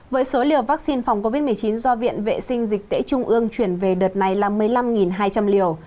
với số liều vaccine phòng covid một mươi chín do viện vệ sinh dịch tễ trung ương chuyển về đợt này là một mươi năm hai trăm linh liều